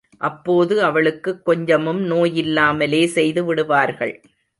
அப்போது அவளுக்குக் கொஞ்சமும் நோயில்லாமலே செய்துவிடுவார்கள்.